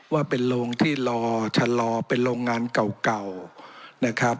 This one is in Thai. ว่าเป็นโรงที่รอฉลอเป็นโรงงานเก่า